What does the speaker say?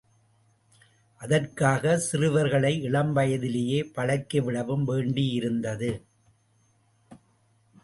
அதற்காக, சிறுவர்களை இளம் வயதிலேயே பழக்கிவிடவும் வேண்டியிருந்தது.